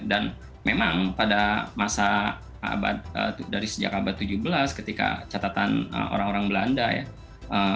dan memang pada masa abad dari sejak abad ke tujuh belas ketika catatan orang orang belanda ya